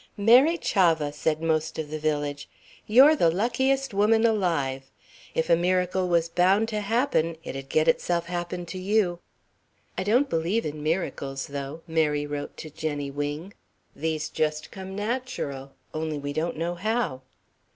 "Mary Chavah!" said most of the village, "you're the luckiest woman alive. If a miracle was bound to happen, it'd get itself happened to you." "I don't believe in miracles, though," Mary wrote to Jenny Wing. "These come just natural only we don't know how."